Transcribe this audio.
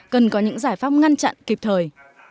cần có những giải pháp ngăn chặn kịp thời